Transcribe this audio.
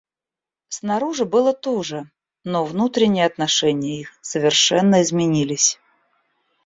Снаружи было то же, но внутренние отношения их совершенно изменились.